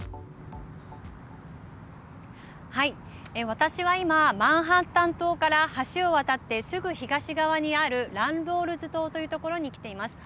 私は今マンハッタン島から橋を渡って、すぐ東側にあるランドールズ島という所に来ています。